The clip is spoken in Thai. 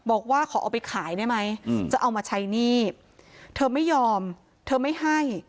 บอกว่าขอเอาไปขายได้ไหมจะเอามาใช้หนี้เธอไม่ยอมเธอไม่ให้